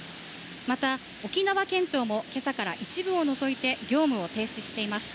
また、沖縄県庁も今朝から一部を除いて業務を停止しています。